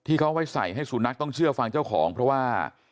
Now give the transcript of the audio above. เอาไว้ใส่ให้สุนัขต้องเชื่อฟังเจ้าของเพราะว่า